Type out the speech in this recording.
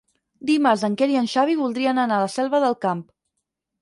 Dimarts en Quer i en Xavi voldrien anar a la Selva del Camp.